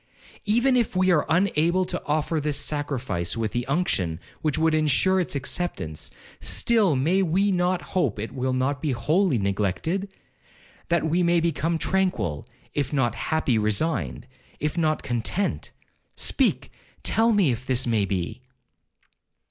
Even if we are unable to offer this sacrifice with the unction which would ensure its acceptance, still may we not hope it will not be wholly neglected?—that we may become tranquil, if not happy—resigned, if not content. Speak, tell me if this may be?'